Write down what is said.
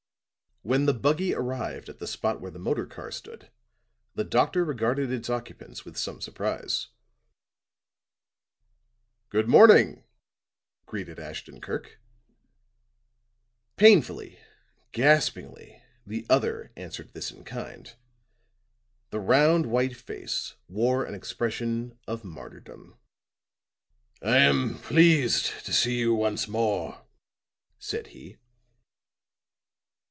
When the buggy arrived at the spot where the motor car stood, the doctor regarded its occupants with some surprise. "Good morning," greeted Ashton Kirk. Painfully, gaspingly the other answered this in kind. The round white face wore an expression of martyrdom. "I am pleased to see you once more," said he.